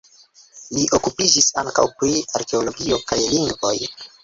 Li okupiĝis ankaŭ pri arkeologio kaj lingvoj.